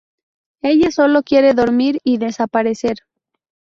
Ella sólo quiere dormir y desaparecer.